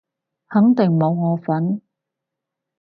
肯定冇我份